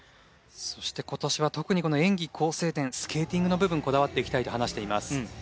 そして今年は特に演技構成点スケーティングの部分こだわっていきたいと話しています。